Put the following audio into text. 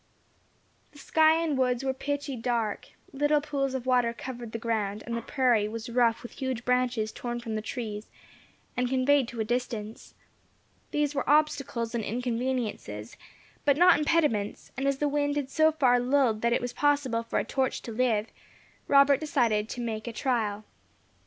The sky and woods were pitchy dark, little pools of water covered the ground, and the prairie was rough with huge branches torn from the trees, and conveyed to a distance. These were obstacles and inconveniences, but not impediments; and as the wind had so far lulled that it was possible for a torch to live, Robert decided to make a trial.